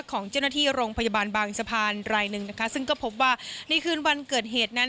ของเจ้าหน้าที่โรงพยาบาลบางสะพานรายหนึ่งนะคะซึ่งก็พบว่าในคืนวันเกิดเหตุนั้น